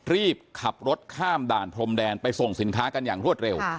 รีบขับรถข้ามด่านพรมแดนไปส่งสินค้ากันอย่างรวดเร็ว